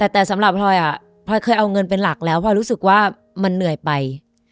แต่สำหรับพลอยพลอยเคยเอาเงินเป็นหลักแล้วพลอยรู้สึกว่ามันเหนื่อยไป